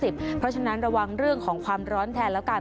เพราะฉะนั้นระวังเรื่องของความร้อนแทนแล้วกัน